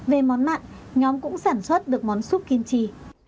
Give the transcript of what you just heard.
về món mặn nhóm cũng sản xuất được món súp kimchi